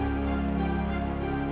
udah sama mama gak enak deh